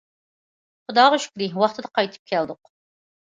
خۇداغا شۈكرى ۋاقتىدا قايتىپ كەلدۇق.